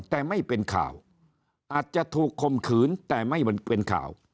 แต่ไม่เป็นข่าวอาจจะถูกคมขืนแต่ไม่เป็นข่าว